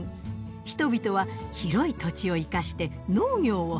人々は広い土地を生かして農業を始めます。